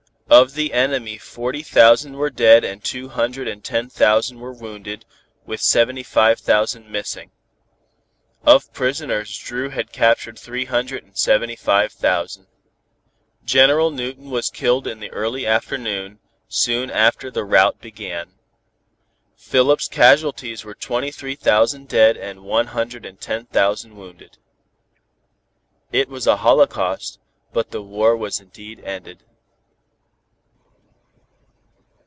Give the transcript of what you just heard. Of the enemy forty thousand were dead and two hundred and ten thousand were wounded with seventy five thousand missing. Of prisoners Dru had captured three hundred and seventy five thousand. General Newton was killed in the early afternoon, soon after the rout began. Philip's casualties were twenty three thousand dead and one hundred and ten thousand wounded. It was a holocaust, but the war was indeed ended.